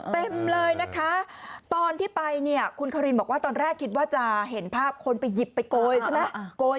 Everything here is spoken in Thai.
เต็มเลยนะคะตอนที่ไปเนี่ยคุณคารินบอกว่าตอนแรกคิดว่าจะเห็นภาพคนไปหยิบไปโกยใช่ไหม